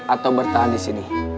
atau bertahan di sini